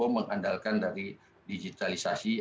mengandalkan dari digitalisasi